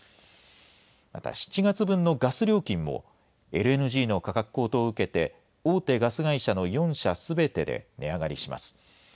また、７月分のガス料金も、ＬＮＧの価格高騰を受けて、大手ガス会社の４社すべてで値上がりします。